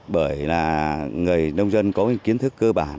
bởi là người nông dân có cái kiến thức cơ bản